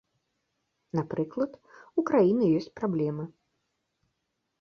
Напрыклад, у краіны ёсць праблемы.